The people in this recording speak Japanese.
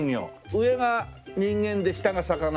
上が人間で下が魚。